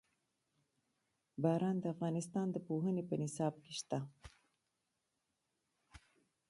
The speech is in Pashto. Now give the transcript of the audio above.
باران د افغانستان د پوهنې په نصاب کې شته.